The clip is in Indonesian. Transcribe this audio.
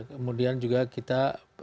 kemudian juga kita